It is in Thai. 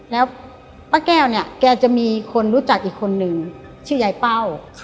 แล้วป้าแก้วเนี่ยแกจะมีคนรู้จักอีกคนนึงชื่อยายเป้า